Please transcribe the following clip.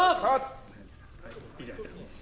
いいじゃないですか。